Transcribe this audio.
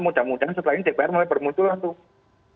mudah mudahan setelah ini dpr mulai bermutu langsung